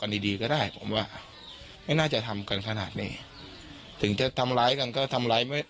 เดี๋ยวฟังนะฮะ